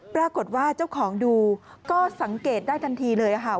ปรากฏว่าเจ้าของดูก็สังเกตได้ทันทีเลยค่ะ